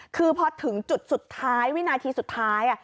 คือพอถึงจุดสุดท้ายวินาทีสุดท้าย